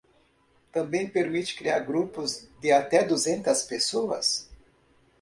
Também permite criar grupos de até duzentas pessoas.